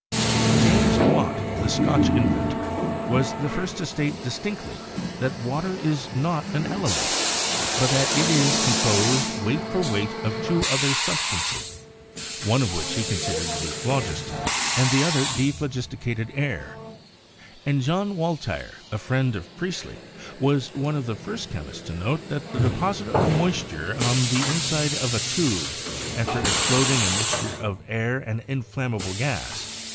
James Watt, the Scotch inventor, was the first to state distinctly that water is not an element, but that it is com 158 CHEMISTRY posed, weight for weight, of two other substances, one of which he considered to be phlogiston and the other "dephlogisticated air"; and John Waltire, a friend of Priestley, was one of the first chemists to note the de posit of moisture on the inside of a tube after exploding a mixture of air and "inflammable gas."